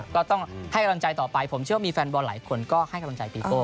ก็ต้องให้กำลังใจต่อไปผมเชื่อว่ามีแฟนบอลหลายคนก็ให้กำลังใจปีโก้